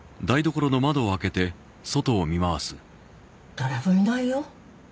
誰もいないよ